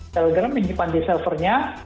telegram menyimpan di server nya